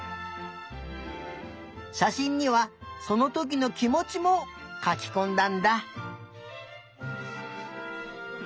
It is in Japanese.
しゃしんにはそのときのきもちもかきこんだんだ。